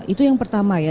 itu yang pertama ya